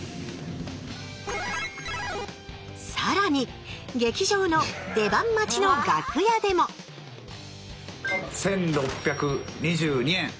さらに劇場の出番待ちの楽屋でも１，６２２円！